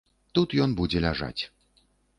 Тут ён будзе ляжаць.